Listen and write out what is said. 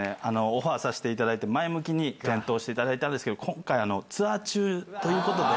オファーさせていただいて、前向きに検討していただいたんですけど、今回、ツアー中ということで。